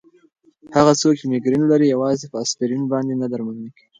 هغه څوک چې مېګرین لري، یوازې په اسپرین باندې نه درملنه کېږي.